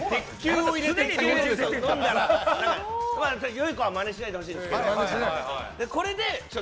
良い子はマネしないでほしいんですけど。